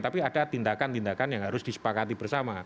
tapi ada tindakan tindakan yang harus disepakati bersama